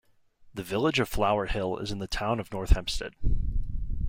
The Village of Flower Hill is in the Town of North Hempstead.